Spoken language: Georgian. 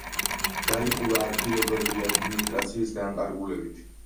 დაიხურა ადგილობრივი ადმინისტრაციის განკარგულებით.